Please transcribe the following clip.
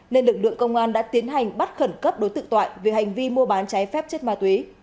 nên lực lượng công an đã tiến hành bắt khẩn cấp đối tượng toại về hành vi mua bán trái phép chất ma túy